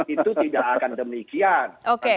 itu tidak akan demikian